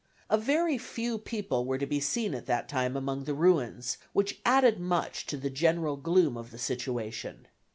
A very few people were to be seen at that time among the ruins, which added much to the general gloom of the situation.